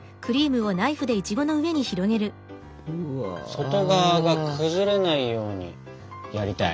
外側が崩れないようにやりたい。